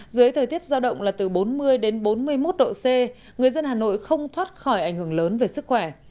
dưới thời tiết giao động là từ bốn mươi đến bốn mươi một độ c người dân hà nội không thoát khỏi ảnh hưởng lớn về sức khỏe